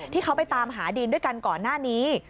ที่เขาไปตามหาดินด้วยกันก่อนหน้านี้